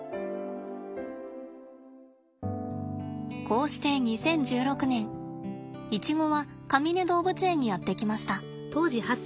こうして２０１６年イチゴはかみね動物園にやって来ました。